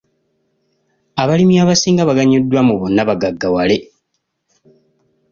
Abalimi abasinga baganyuddwa mu bonnabagaggawale.